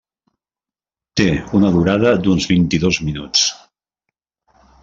Té una durada d'uns vint-i-dos minuts.